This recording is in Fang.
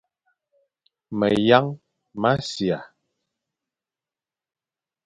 Meyañ mʼasia,